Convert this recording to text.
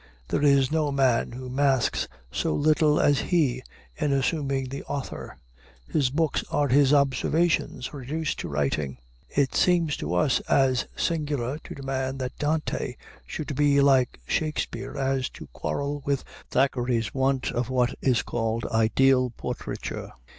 There is no man who masks so little as he in assuming the author. His books are his observations reduced to writing. It seems to us as singular to demand that Dante should be like Shakespeare as to quarrel with Thackeray's want of what is called ideal portraiture.